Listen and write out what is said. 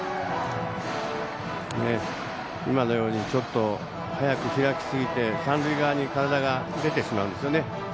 ちょっと早く開きすぎて三塁側に体が出てしまうんですよね。